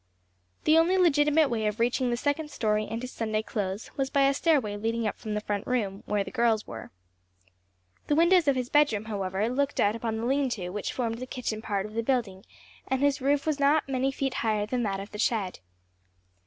The only legitimate way of reaching the second story and his Sunday clothes, was by a stairway leading up from the front room, where the girls were. The windows of his bedroom, however, looked out upon the leanto which formed the kitchen part of the building and whose roof was not many feet higher than that of the shed.